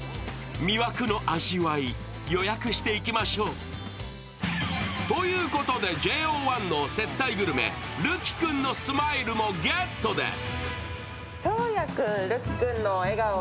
魅惑の味わい、予約して行きましょう。ということで、ＪＯ１の接待グルメ、瑠姫君のスマイルもゲットです。